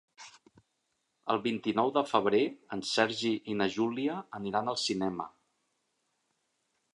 El vint-i-nou de febrer en Sergi i na Júlia aniran al cinema.